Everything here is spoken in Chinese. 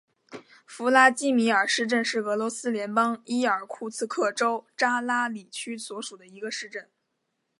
弗拉基米尔市镇是俄罗斯联邦伊尔库茨克州扎拉里区所属的一个市镇。